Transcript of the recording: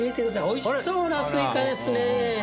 美味しそうなスイカですね。